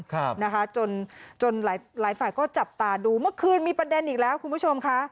ครับนะคะจนจนหลายหลายฝ่ายก็จับตาดูเมื่อคืนมีประเด็นอีกแล้วคุณผู้ชมค่ะ